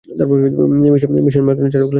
মিশেল McNally, চারুকলায় স্নাতক।